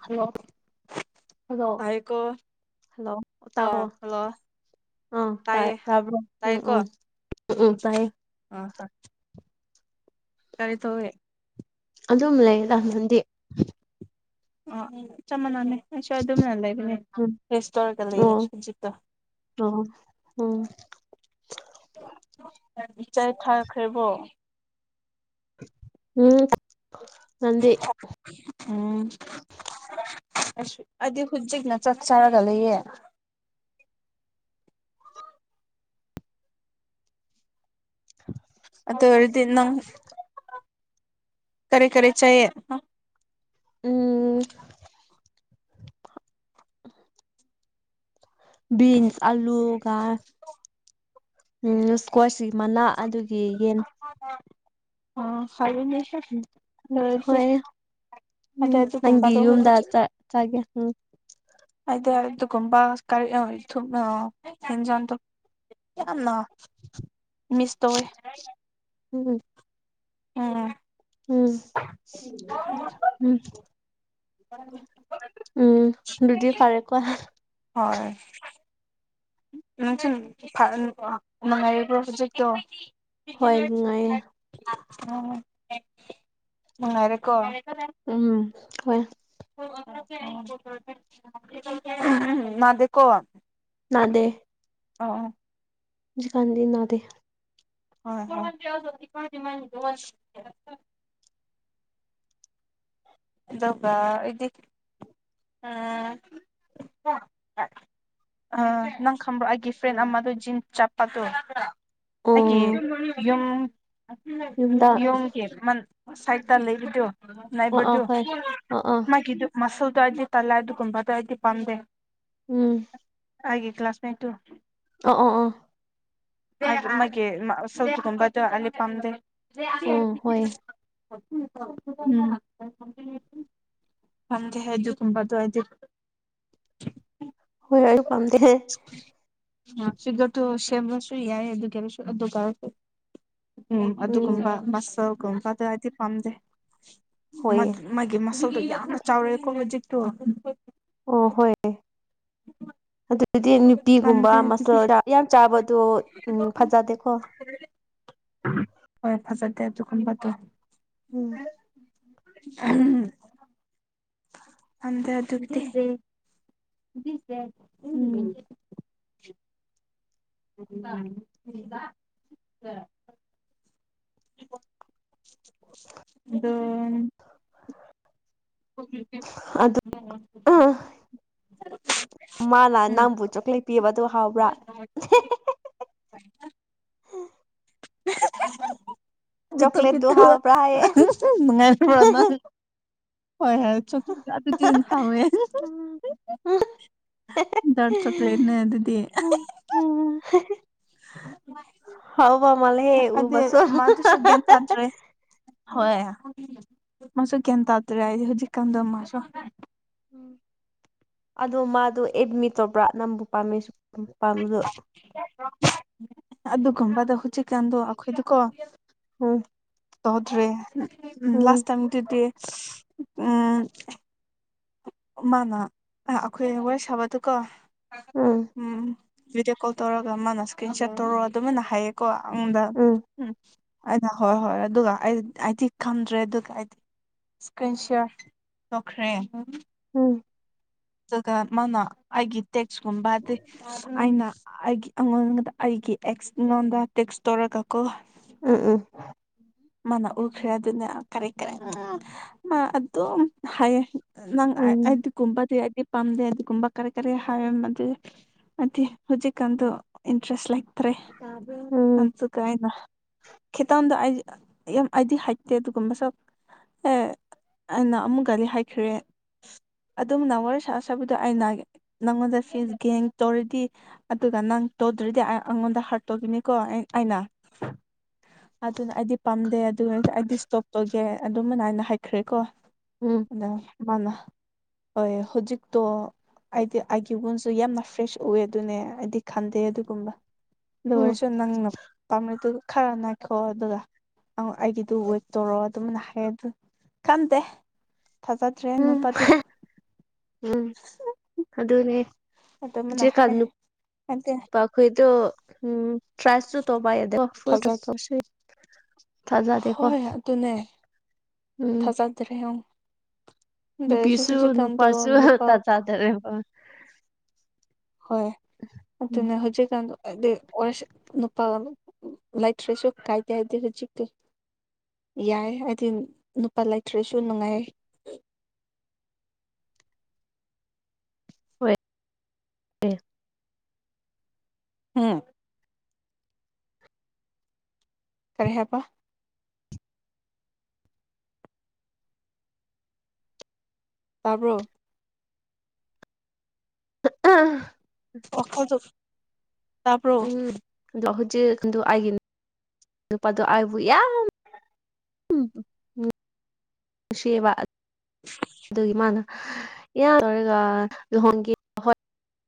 hello hello ꯇꯥꯏꯀꯣ hello ꯑꯥ ꯇꯥꯕꯣ ꯍꯜꯂꯣ ꯑ ꯇꯥꯏ ꯇꯥꯏꯌꯦ ꯇꯥꯕ ꯎꯝ ꯇꯥꯏꯌꯦꯀꯣ ꯎꯝ ꯎꯝ ꯇꯥꯏꯌꯦ [unintelligible] [unintelligible] ꯑꯗꯨꯝ ꯂꯩ ꯔꯃꯟꯗꯤ ꯑ ꯆꯞ ꯃꯥꯟꯅꯅꯦ ꯑꯩꯁꯨ ꯑꯗꯨꯝꯅ ꯂꯩꯕꯅꯦ ꯎꯝ ꯔꯦꯁ ꯇꯔꯒ ꯂꯩꯌꯦ ꯑꯣ ꯁꯖꯤꯠꯇꯣ [unintelligible] ꯆꯥꯏ ꯊꯥꯈ꯭ꯔꯦꯕꯣ ꯎꯝ ꯅꯗꯦ [unintelligible] ꯑ ꯍꯥꯏꯗꯤ ꯍꯧꯖꯤꯛꯅ ꯆꯥꯛ ꯆꯥꯔꯒ ꯂꯩꯌꯦ [inaudible] ꯑꯗꯨ ꯑꯣꯏꯔꯗꯤ ꯅꯪ ꯀꯔꯤ ꯀꯔꯤ ꯆꯥꯏꯌꯦ [unintelligible] ꯕꯤꯟꯁ ꯑꯜꯂꯨꯒ ꯎꯝ ꯏꯁꯀ꯭ꯋꯥꯁ ꯃꯅꯥ ꯑꯗꯨꯒꯤ ꯌꯦꯟ [unintelligible] ꯑꯣ ꯐꯅꯦ ꯎ ꯍꯣꯏ ꯎꯝ ꯑꯩꯗꯤ ꯅꯪꯒꯤ ꯑꯗꯨꯒꯨꯝꯕꯗꯣ ꯌꯨꯝꯗ ꯍꯧꯖꯤꯛ ꯆꯒꯦ ꯎꯝ [unintelligible] ꯀꯅꯥ ꯃꯤꯁ ꯇꯧꯋꯦ [unintelligible] ꯑꯣ ꯎꯝ ꯎꯝ [unintelligible] ꯎꯝ ꯑꯗꯨꯗꯤ ꯐꯔꯦ ꯀꯣ ꯍꯣꯏ ꯅꯪ ꯁꯨꯝ ꯅꯨꯡꯉꯥꯏꯔꯕ꯭ꯔꯣ ꯍꯧꯖꯤꯛꯇꯣ ꯍꯣꯏ ꯅꯨꯡꯉꯥꯏꯌꯦ ꯎꯝ ꯅꯨꯡꯉꯥꯏꯔꯤꯀꯣ ꯎꯝ ꯍꯣꯏ ꯃꯗꯤꯀꯣ ꯅꯥꯗꯦ ꯑꯣ ꯑꯣ ꯍꯧꯖꯤꯛ ꯀꯥꯟꯗꯤ ꯅꯗꯦ [unintelligible] ꯑꯗꯨꯒ ꯏꯗꯤ ꯎꯝ ꯑ ꯅꯪ ꯈꯪꯕ꯭ꯔꯣ ꯑꯩꯒꯤ ꯐ꯭ꯔꯦꯟ ꯑꯃꯗꯣ ꯖꯤꯟ ꯆꯠꯄꯗꯣ ꯑꯩ ꯀꯦ ꯑꯣ ꯌ ꯌꯨꯝꯗ ꯌꯣ ꯀꯦ ꯃ ꯁꯥꯏꯠ ꯇꯥ ꯂꯩꯈꯤꯗꯣ ꯑ ꯑꯥ ꯅꯥꯏꯕꯔꯗꯣ ꯍꯣꯏ ꯑꯥ ꯑꯥ ꯃꯥꯒꯤꯗꯨꯣ ꯃꯁꯜꯗꯣ ꯍꯥꯏꯗꯤ ꯇꯜꯂꯦ ꯑꯗꯨꯒꯨꯝꯕꯗ ꯑꯩꯗꯤ ꯄꯥꯝꯖꯩ ꯎꯝ ꯍꯥꯏꯦ ꯀ꯭ꯂꯥꯁ ꯃꯦꯠꯨ ꯑꯣ ꯑꯣ ꯑꯣ ꯃꯥꯒꯤ ꯁꯧꯠꯒꯨꯝꯕꯗ ꯑ ꯄꯥꯝꯗꯦ ꯎꯝ ꯍꯣꯏ [unintelligible] ꯍ ꯍꯥꯏꯗꯤ ꯇꯨꯝ ꯑꯗꯨ ꯍꯥꯏꯗꯤ ꯍꯣꯏ ꯌꯥ ꯄꯝꯗꯤꯦ ꯁꯤꯗ ꯇꯨ ꯁꯦꯝꯔꯁꯨ ꯌꯥꯏꯌꯦ ꯑꯗꯨ ꯀꯔꯁꯨ ꯑꯗꯨ ꯀꯔꯁꯨ ꯎꯝ ꯑꯗꯨꯒꯨꯝꯕ ꯃꯁꯥꯜꯒꯨꯝꯕ ꯑꯗꯨ ꯍꯥꯏꯗꯤ ꯄꯝꯗꯦ ꯍꯣꯏꯌꯦ ꯃꯥꯒꯤ ꯃꯁꯥꯜꯗꯣ ꯌꯥꯝꯅ ꯆꯥꯎꯔꯦꯀꯣ ꯍꯧꯖꯤꯛꯇꯣ ꯑꯣ ꯍꯣꯏ [inaudible] ꯑꯗꯨꯗꯤ ꯅꯨꯄꯤꯒꯨꯝꯕ ꯄꯥꯝꯗꯦ ꯑꯗꯨꯗꯤ ꯃꯁꯥꯜ ꯌꯥꯝ ꯆꯥꯕꯗꯣ ꯎꯝ ꯐꯖꯗꯦꯀꯣ ꯍꯣꯏ ꯐꯖꯗꯦ ꯑꯗꯨꯒꯨꯝꯕꯗꯣ ꯎꯝ ꯑꯍꯝ ꯈꯟꯗꯦ ꯑꯗꯨꯗꯤ ꯂꯧꯁꯤꯟꯕ ꯎꯝ ꯉꯝꯗꯕ ꯂꯧꯁꯤꯟꯕ ꯉꯝꯗꯕ ꯑꯗꯣ ꯂꯧꯁꯤꯟꯕ ꯉꯝꯗꯕ ꯃꯥꯂ ꯎꯝ ꯅꯪꯕꯨ ꯆꯣꯀ꯭ꯂꯦꯠ ꯄꯤꯕꯗꯨ ꯍꯥꯎꯕ꯭ꯔꯥ ꯎꯪ ꯍꯦ ꯍꯦ ꯕꯤꯠꯇ ꯆꯣꯀ꯭ꯂꯦꯠꯇꯨ ꯄꯤꯠꯇ ꯍꯥꯎꯕ꯭ꯔꯥ ꯍꯥꯏꯌꯦ ꯑ ꯍꯨꯡ ꯍꯨꯡ ꯅꯨꯡꯉꯥꯏꯕꯔꯥ ꯅꯪ ꯍꯣꯏ ꯍꯥꯏ ꯆꯣ ꯑꯗꯨ ꯑꯗꯨꯗꯤ ꯍꯥꯎꯋꯦ ꯑꯍꯤ ꯍꯤ ꯎꯝ ꯗꯥꯔꯛ ꯆꯣꯛꯂꯦꯠꯅꯦ ꯑꯗꯨꯗꯤ ꯎꯝ ꯎꯝ ꯍꯥꯎꯕ ꯃꯥꯜꯂꯦꯍꯦ ꯑꯗꯦ ꯎꯕꯁꯨ ꯃꯥꯗꯨꯁꯨ ꯒ꯭ꯌꯥꯟ ꯇꯥꯗ꯭ꯔꯦ ꯍꯣꯏ ꯃꯥꯁꯨ ꯒꯌꯥꯟ ꯇꯥꯗ꯭ꯔꯦ ꯍꯥꯏꯗꯤ ꯍꯧꯖꯤꯛꯀꯥꯟꯗꯣ ꯃꯥꯁꯨ ꯎꯝ ꯑꯗꯣ ꯃꯥꯗꯣ ꯑꯦꯗꯃꯤꯠ ꯇꯧꯕ꯭ꯔꯥ ꯅꯪꯕꯨ ꯄꯥꯝꯃꯦꯁꯨ ꯄꯥꯝꯕꯗꯣ ꯑꯗꯨꯒꯨꯝꯕꯗꯣ ꯍꯧꯖꯤꯛꯀꯥꯟꯗꯣ ꯑꯈꯣꯏꯗꯨꯀꯣ ꯎꯝ ꯇꯧꯗ꯭ꯔꯦ ꯎꯝ ꯎꯝ ꯂꯥꯁ ꯇꯥꯏꯝꯗꯨꯗꯤ ꯁꯁ ꯎꯝ ꯃꯥꯅ ꯑꯥ ꯑꯈꯣꯏ ꯋꯥꯔꯤ ꯁꯥꯕꯗꯨꯀꯣ ꯎꯝ ꯚꯤꯗꯤꯑꯣ ꯀꯣꯜ ꯇꯧꯔꯒ ꯃꯥꯅ ꯏꯁꯀ꯭ꯔꯤꯟ ꯁꯤꯌꯔ ꯇꯧꯔꯣ ꯑꯗꯨꯃꯥꯏꯅ ꯍꯥꯏꯌꯦꯀꯣ ꯑꯩꯉꯣꯟꯗ ꯎꯝ ꯑꯩꯅ ꯍꯣꯏ ꯍꯣꯏ ꯑꯗꯨꯒ ꯑꯩ ꯑꯩꯗꯤ ꯈꯪꯗ꯭ꯔꯦ ꯑꯗꯨꯒ ꯑꯩꯗꯤ ꯏꯁꯀ꯭ꯔꯤꯟ ꯁꯤꯌꯔ ꯇꯧꯈ꯭ꯔꯦ ꯎꯝ ꯎꯝ ꯆꯒ ꯃꯥꯅ ꯑꯩꯒꯤ ꯇꯦꯛꯁꯀꯨꯝꯕ ꯍꯥꯏꯕꯗꯤ ꯑꯩꯅ ꯑꯩꯒꯤ ꯑꯩꯉꯣꯟꯗ ꯑꯩꯒꯤ ꯑꯦꯛꯁ ꯉꯣꯟꯗ ꯇꯦꯛꯁ ꯇꯧꯔꯒꯀꯣ ꯎꯝ ꯎꯝ ꯃꯥꯅ ꯎꯈ꯭ꯔꯦ ꯑꯗꯨꯅ ꯀꯔꯤ ꯀꯔꯪ ꯃꯥ ꯑꯗꯨꯝ ꯍꯥꯏꯌꯦ ꯅꯪ ꯑꯥꯏ ꯎꯝ ꯑꯩꯗꯤ ꯀꯨꯝꯄꯗꯤ ꯑꯩꯗꯤ ꯄꯥꯝꯗꯦ ꯑꯗꯨꯒꯨꯝꯕ ꯀꯔꯤ ꯀꯔꯤ ꯍꯥꯏꯔꯝꯃꯗꯤ ꯍꯥꯏꯗꯤ ꯍꯧꯖꯤꯛꯀꯥꯟꯗꯣ ꯏꯟꯇ꯭ꯔꯦꯁ ꯂꯩ ꯇ꯭ꯔꯦ ꯇꯥꯕ꯭ꯔꯣ ꯎꯝ ꯑꯇꯨꯒ ꯑꯩꯅ ꯈꯤꯇꯪꯗ ꯑꯩꯖꯦ ꯌꯥꯝ ꯑꯩꯗꯤ ꯍꯩꯇꯦ ꯑꯗꯨꯒꯨꯝꯕꯁꯨ ꯑꯦ ꯑꯩꯅ ꯑꯃꯨꯛ ꯀꯔꯤ ꯍꯥꯏꯈ꯭ꯔꯦ ꯑꯗꯨꯝꯅ ꯋꯥꯔꯤ ꯁꯥ ꯁꯥꯕꯗꯣ ꯑꯩꯅ ꯅꯪꯉꯣꯟꯗ ꯐꯤꯁ ꯒꯦꯡ ꯇꯧꯔꯗꯤ ꯑꯗꯨꯒ ꯅꯪ ꯇꯧꯗ꯭ꯔꯗꯤ ꯑꯩ ꯑꯩꯉꯣꯟꯗ ꯍꯥꯔꯠ ꯇꯣꯒꯤꯅꯤꯀꯣ ꯑꯩ ꯑꯩꯅ ꯑꯗꯨꯅ ꯑꯩꯗꯤ ꯄꯥꯝꯗꯦ ꯑꯗꯨꯒ ꯑꯩꯗꯤ ꯏꯁꯇꯣꯞ ꯇꯧꯒꯦ ꯑꯗꯨꯃꯥꯏꯅ ꯍꯥꯏꯅ ꯍꯥꯏꯈ꯭ꯔꯦꯀꯣ ꯎꯝ ꯗ ꯃꯥꯅ ꯍꯣꯏ ꯍꯧꯖꯤꯛꯇꯣ ꯍꯥꯏꯗꯤ ꯑꯩꯒꯤ ꯒꯨꯟꯁꯨ ꯌꯥꯝꯅ ꯐ꯭ꯔꯦꯁ ꯑꯣꯏ ꯑꯗꯨꯅꯦ ꯑꯩꯗꯤ ꯈꯟꯗꯦ ꯑꯗꯨꯒꯨꯝꯕ ꯎꯝ ꯑꯗꯨꯑꯣꯏꯔꯁꯨ ꯅꯪꯅ ꯄꯥꯝꯔꯗꯨ ꯈꯔ ꯉꯥꯏꯈꯣ ꯑꯗꯨꯒ ꯑꯩꯒꯤꯗꯨꯣ ꯋꯦꯠ ꯇꯧꯔꯣ ꯑꯗꯨꯝꯅ ꯍꯥꯏꯌꯦ ꯑꯗꯨ ꯈꯟꯗꯦ ꯊꯥꯖ ꯇ꯭ꯔꯦ ꯅꯤꯄꯥꯗꯤ ꯎꯝ ꯑꯗꯨꯅꯤ ꯑꯗꯨꯃꯥꯏꯅ ꯍꯧꯖꯤꯛꯀꯥꯟ ꯍꯥꯏ ꯍꯥꯏꯗꯤ ꯅꯨꯞ ꯍꯣꯏꯗꯣ ꯎꯝ ꯇ꯭ꯔꯥꯏꯁꯨ ꯇꯣꯕꯥꯥ ꯌꯥꯗꯦ ꯀꯣ ꯐꯨꯜ ꯊꯥꯖ ꯇ꯭ꯔꯁ ꯇꯧꯕꯁꯨ ꯊꯥꯖꯗꯦꯀꯣ ꯍꯣꯏ ꯑꯗꯨꯅꯦ ꯎꯝ ꯊꯥꯖꯗ꯭ꯔꯦ ꯑꯣꯡ ꯅꯨꯄꯤꯁꯨ ꯅꯨꯄꯥꯁꯨ ꯅꯨꯄꯥ ꯑ ꯇꯥꯖꯗ꯭ꯔꯦꯕ ꯍꯣꯏ ꯎꯝ ꯑꯗꯨꯅꯦ ꯍꯧꯖꯤꯛꯀꯥꯟꯗꯣ ꯍꯥꯏꯗꯤ ꯑꯣꯏꯔꯁꯤ ꯅꯨꯄꯥꯒꯥ ꯂꯣꯏ ꯂꯩꯇꯔꯁꯨ ꯀꯥꯏꯗꯦ ꯍꯥꯏꯗꯤ ꯍꯨꯖꯤꯛꯇꯤ ꯌꯥꯏ ꯑꯩꯗꯤ ꯅꯨꯄꯥ ꯂꯩꯇ꯭ꯔꯁꯨ ꯅꯨꯡꯉꯥꯏꯌꯦ ꯍꯣꯏ ꯎꯝ ꯀꯔꯤ ꯍꯥꯏꯄꯥ ꯇꯥꯕ꯭ꯔꯣ [unintelligible] ꯋꯥꯈꯜꯗꯨ ꯎꯝ ꯗꯣ ꯍꯧꯖꯤꯛ ꯑꯗꯨ ꯑꯩꯒꯤ ꯅꯨꯄꯥꯗꯣ ꯑꯩꯕꯨ ꯌꯥꯝ [unintelligible] ꯅꯨꯡꯁꯤꯕ ꯑꯗꯨꯒꯤ ꯃꯥꯅ ꯏꯔꯥꯡ ꯇꯧꯔꯒ ꯂꯨꯍꯣꯡꯒꯦ